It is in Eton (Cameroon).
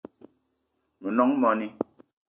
Me nong moni